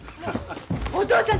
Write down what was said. お父ちゃん